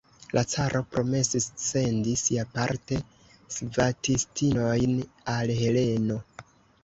La caro promesis sendi siaparte svatistinojn al Heleno.